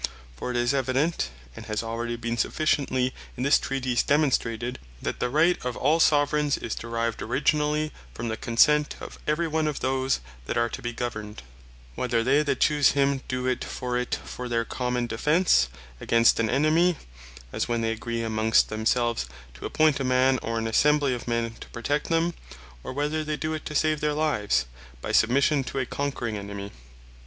For it is evident, and has already been sufficiently in this Treatise demonstrated, that the Right of all Soveraigns, is derived originally from the consent of every one of those that are to bee governed; whether they that choose him, doe it for their common defence against an Enemy, as when they agree amongst themselves to appoint a Man, or an Assembly of men to protect them; or whether they doe it, to save their lives, by submission to a conquering Enemy.